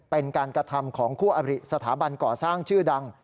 เป็นการกระทำของคู่อบริสถาบันก่อสร้างชื่อดัง